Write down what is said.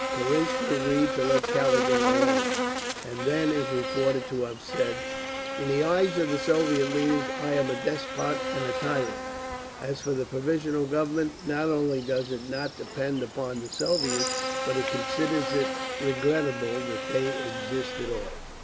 Kerensky agreed to let Kaledin alone, and then is reported to have said, "In the eyes of the Soviet leaders I am a despot and a tyrant…. As for the Provisional Government, not only does it not depend upon the Soviets, but it considers it regrettable that they exist at all."